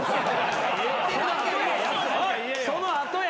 ・その後や。